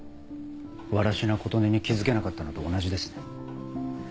藁科琴音に気付けなかったのと同じですね。